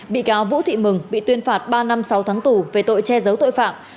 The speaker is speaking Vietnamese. bị cáo vũ thị mừng bị tuyên phạt ba năm sáu tháng tù về tội che giấu tội phạm